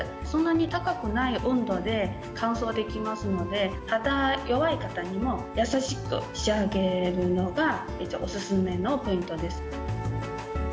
そんなに高くない温度で乾燥できますので、肌、弱い方にも、優しく仕上げるのが、一応お勧めのポイントです。